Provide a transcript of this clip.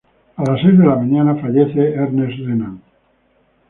A las seis de la mañana, fallece Ernest Renan.